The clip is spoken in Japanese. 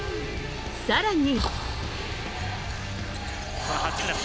更に。